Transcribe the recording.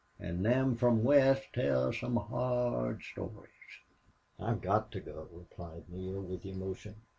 An' them from west tell some hard stories." "I've got to go," replied Neale, with emotion.